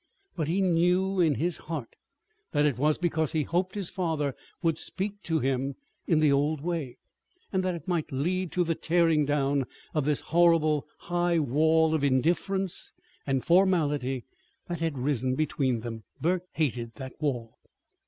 But he knew in his heart that it was because he hoped his father would speak to him in the old way, and that it might lead to the tearing down of this horrible high wall of indifference and formality that had risen between them. Burke hated that wall.